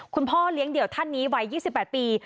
คุณพ่อเลี้ยงเดี่ยวท่านนี้วัย๒๘ปี